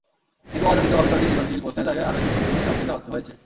কিন্তু অযাচিতভাবে ছয়টি সৃজনশীল প্রশ্নের জায়গায় আরও একটি প্রশ্ন চাপিয়ে দেওয়া হয়েছে।